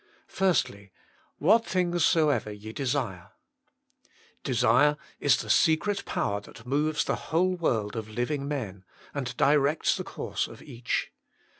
1. " What things soever ye desire" Desire is the secret power that moves the whole world of living men, and directs the course of each.